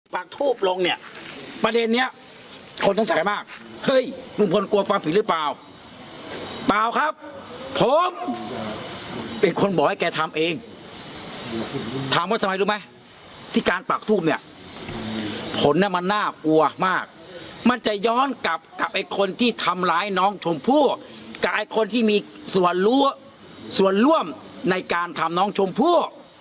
ปากทูบลงเนี่ยประเด็นนี้คนสงสัยมากเฮ้ยลุงพลกลัวความผิดหรือเปล่าเปล่าครับผมเป็นคนบอกให้แกทำเองถามว่าทำไมรู้ไหมที่การปากทูบเนี่ยผลน่ะมันน่ากลัวมากมันจะย้อนกลับกับไอ้คนที่ทำร้ายน้องชมพู่กับไอ้คนที่มีส่วนรู้ส่วนร่วมในการทำน้องชมพู่